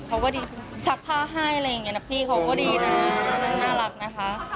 เขาก็ดีชักผ้าให้อะไรอย่างนี้นะพี่เขาก็ดีนะน่ารักนะคะ